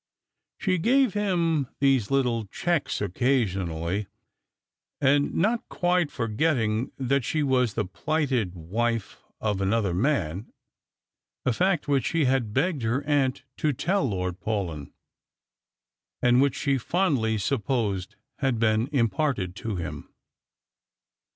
She gave him these little checks occasionally, not quite for getting that she was the plighted wife of another man — a fact which she had begged her aunt to tell Lord Paulyn, and which 170 Strangers and Pilgrims. she fondly supposed had been imparted to him.